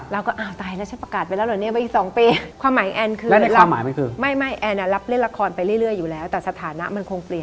เราก็อ่าวตายแล้วฉันประกาศไปแล้วเหรอนี่